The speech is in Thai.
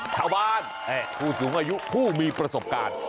ชาวบ้านผู้สูงอายุผู้มีประสบการณ์